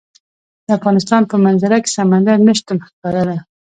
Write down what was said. د افغانستان په منظره کې سمندر نه شتون ښکاره ده.